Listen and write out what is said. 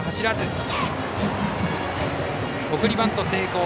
送りバント成功。